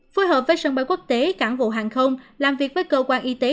phối hợp với sân bay quốc tế cảng vụ hàng không làm việc với cơ quan y tế